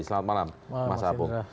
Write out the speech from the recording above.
selamat malam mas apung